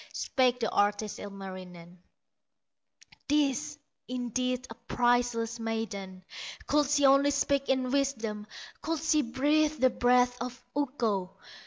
Spake the artist, Ilmarinen: "This, indeed, a priceless maiden, Could she only speak in wisdom, Could she breathe the breath of Ukko!"